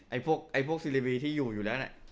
ไอว์พวกเจรบีที่อยู่อยู่แล้วไง